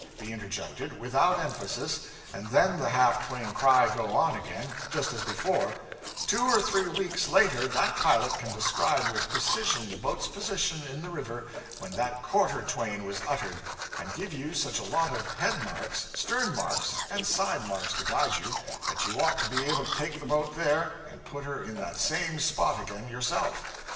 be interjected, without emphasis, and then the half twain cry go on again, just as before: two or three weeks later that pilot can describe with precision the boat's position in the river when that quarter twain was uttered, and give you such a lot of head marks, stern marks, and side marks to guide you, that you ought to be able to take the boat there and put her in that same spot again yourself!